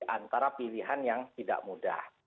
antara pilihan yang tidak mudah